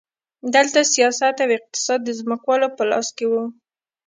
دلته سیاست او اقتصاد د ځمکوالو په لاس کې وو.